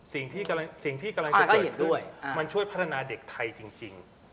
สิ่งที่กำลังจะเกิดด้วยมันช่วยพัฒนาเด็กไทยจริง